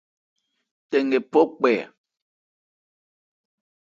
Tɛ nkɛ phɔ kpɛ a.